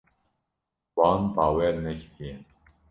Wan bawer nekiriye.